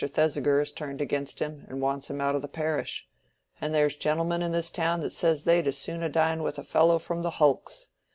Thesiger is turned against him, and wants him out o' the parish. And there's gentlemen in this town says they'd as soon dine with a fellow from the hulks.